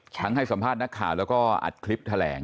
ให้สัมภาษณ์นักข่าวแล้วก็อัดคลิปแถลง